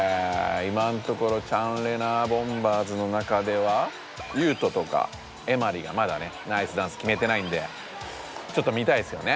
いまのところチャンレナボンバーズの中ではユウトとかエマリがまだねナイスダンスきめてないんでちょっと見たいですよね